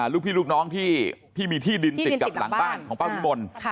ลูกพี่ลูกน้องที่มีที่ดินติดกับหลังบ้านของป้าวิมล